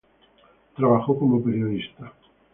Trabajó como periodista.